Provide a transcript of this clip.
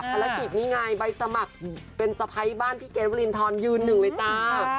ภารกิจนี่ไงใบสมัครเป็นสะพ้ายบ้านพี่เกดวรินทรยืนหนึ่งเลยจ้า